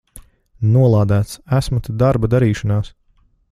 Nolādēts! Esmu te darba darīšanās!